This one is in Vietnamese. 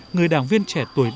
người đảng viên trẻ tuổi trẻ